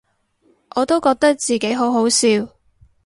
我都覺得自己好好笑